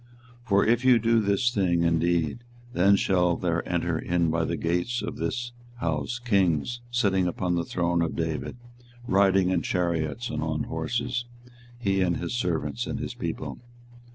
24:022:004 For if ye do this thing indeed, then shall there enter in by the gates of this house kings sitting upon the throne of David, riding in chariots and on horses, he, and his servants, and his people.